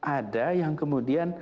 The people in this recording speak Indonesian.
ada yang kemudian